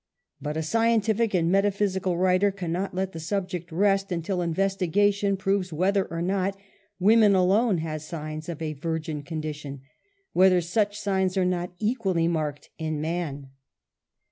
But a scientific and metaphysical writer cannot let the sub ject rest until investigation proves whether or not woman alone has signs of a virgin condition, whether Xsuch signs are not equally marked in man.